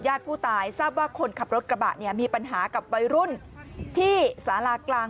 ผู้ตายทราบว่าคนขับรถกระบะเนี่ยมีปัญหากับวัยรุ่นที่สารากลาง